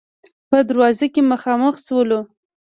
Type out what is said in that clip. په دروازه کې مخامخ شولو.